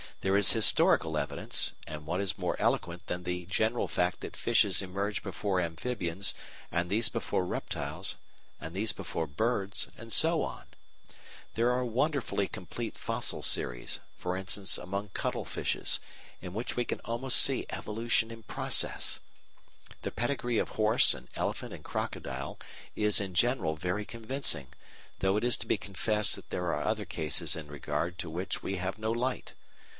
There is historical evidence; and what is more eloquent than the general fact that fishes emerge before amphibians, and these before reptiles, and these before birds, and so on? There are wonderfully complete fossil series, e.g. among cuttlefishes, in which we can almost see evolution in process. The pedigree of horse and elephant and crocodile is in general very convincing, though it is to be confessed that there are other cases in regard to which we have no light.